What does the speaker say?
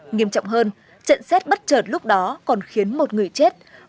nghiêm trọng hơn trận xét bất chợt lúc đó còn khiến một người chết